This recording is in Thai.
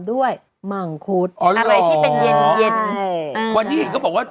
หมังคุดอ๋ออะไรที่เป็นเย็นเย็นเออวันนี้เห็นเขาบอกว่า